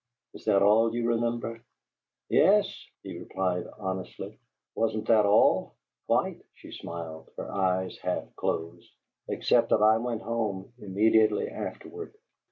"Is that all you remember?" "Yes," he replied, honestly. "Wasn't that all?" "Quite!" she smiled, her eyes half closed. "Except that I went home immediately afterward."